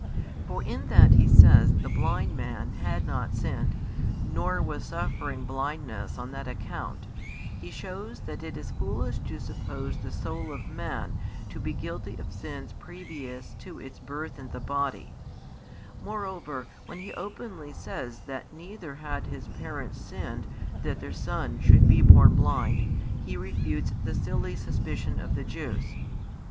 For in that He says the blind man had not sinned, nor was suffering blindness on that account, He shows that it is foolish to suppose the soul of man to be guilty of sins previous to its birth in the body: moreover, when He openly says that neither had His parents sinned that their son should be born blind, He refutes the silly suspicion of the Jews.